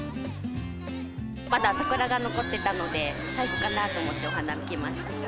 まだ桜が残ってたので、最後かなと思って、お花見来ました。